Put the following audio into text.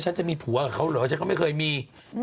จะมีผัวกับเขาเหรอฉันก็ไม่เคยมี